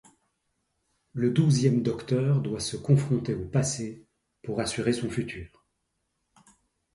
Le Douzième Docteur doit se confronter au passé pour assurer son futur.